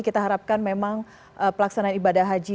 kita harapkan memang pelaksanaan ibadah haji